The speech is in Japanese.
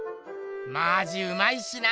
マジうまいしな！